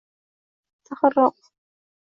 Taxirroq.